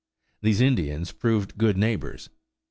These Indians proved good neighbors.